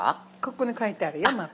ここに書いてあるよ「マップ」。